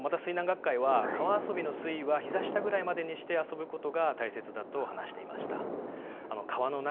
また水難学会は、川遊びの水位はひざ下ぐらいまでにして遊ぶことが大切だと話していました。